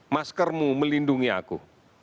maskermu melindungi aku